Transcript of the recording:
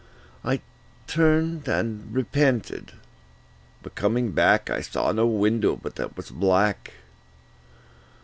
I turned and repented, but coming back I saw no window but that was black.